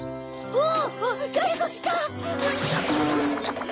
うわ！